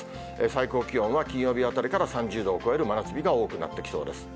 最高気温は、金曜日あたりから３０度を超える真夏日が多くなってきそうです。